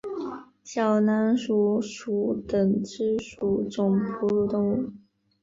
小囊鼠属等之数种哺乳动物。